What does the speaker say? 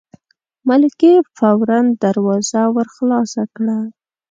ملکې فوراً دروازه ور خلاصه کړه.